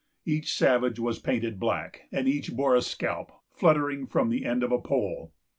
Each savage was painted black, and each bore a scalp fluttering from the end of a pole.